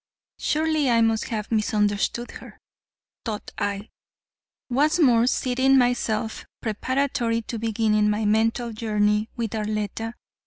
Surely I must have misunderstood her, thought I, once more seating myself, preparatory to beginning my mental journey with Arletta.